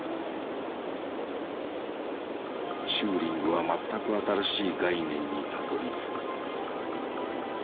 チューリングは全く新しい概念にたどりつく。